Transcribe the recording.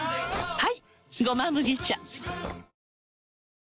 はい！